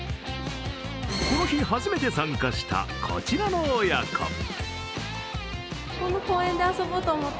この日、初めて参加した、こちらの親子。